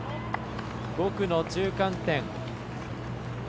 ５区の中間点。